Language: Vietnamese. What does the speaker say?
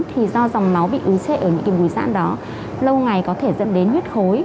thì do dòng máu bị ứng sệ ở những bùi giãn đó lâu ngày có thể dẫn đến huyết khối